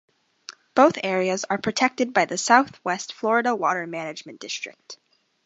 Both areas are protected by the Southwest Florida Water Management District.